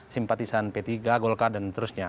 simpatisan p tiga golkar dan seterusnya